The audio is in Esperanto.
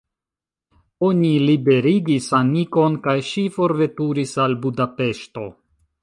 Oni liberigis Anikon, kaj ŝi forveturis al Budapeŝto.